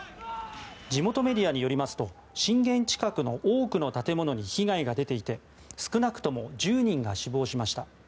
地元メディアによりますと震源近くの多くの建物に被害が出ていて少なくとも１０人が死亡しました。